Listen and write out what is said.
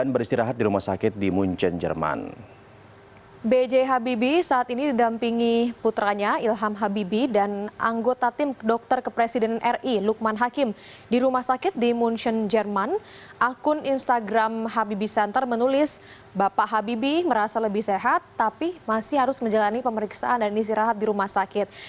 bapak habibie merasa lebih sehat tapi masih harus menjalani pemeriksaan dan istirahat di rumah sakit